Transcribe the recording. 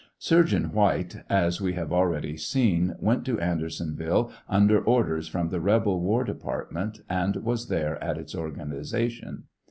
Surgeon White, as we have already seen, went to Andersonville under orders from the rebel war department, and was there at its organization.